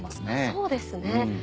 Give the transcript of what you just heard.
そうですね。